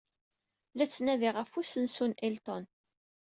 La ttnadiɣ ɣef usensu n Hilton.